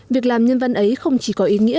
việc làm nhân văn ấy không chỉ có ý nghĩa